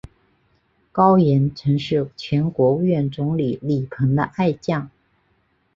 高严曾是前国务院总理李鹏的爱将。